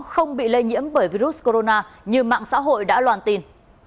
không bị lây nhiễm bởi virus corona như mạng xã hội đã loan tin